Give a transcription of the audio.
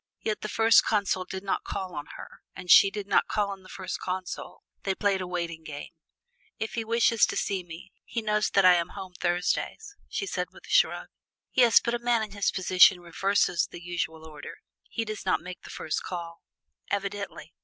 Yet the First Consul did not call on her, and she did not call on the First Consul. They played a waiting game, "If he wishes to see me, he knows that I am home Thursdays!" she said with a shrug. "Yes, but a man in his position reverses the usual order: he does not make the first call!" "Evidently!"